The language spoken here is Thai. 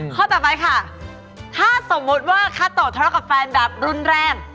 ข้อต่อไปค่ะถ้าสมมุติว่าคาโตทะเลาะกับแฟนแบบรุนแรง